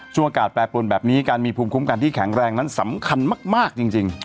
อากาศแปรปรวนแบบนี้การมีภูมิคุ้มกันที่แข็งแรงนั้นสำคัญมากจริง